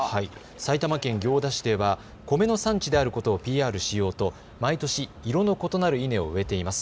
埼玉県行田市では米の産地であることをＰＲしようと毎年、色の異なる稲を植えています。